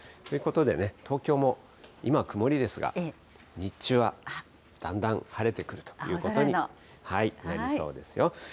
ということでね、東京も今は曇りですが、日中はだんだん晴れてくるということになりそうですよ。